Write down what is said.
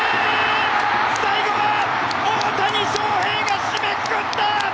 最後は大谷翔平が締めくくった！